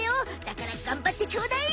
だからがんばってちょうだい！